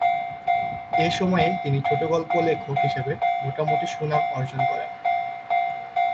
এ সময়ে তিনি ছোটগল্প লেখক হিসেবে মোটামুটি সুনাম অর্জন করেন।